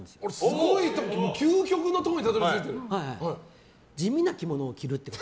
すごい、究極のところにたどりついてる。